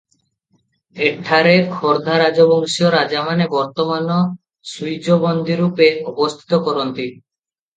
ଏଠାରେ ଖୋର୍ଦା ରାଜବଂଶୀୟ ରାଜାମାନେ ବର୍ତ୍ତମାନ ସ୍ବିଜ ବନ୍ଦୀ ରୁପେ ଅବସ୍ଥିତ କରନ୍ତି ।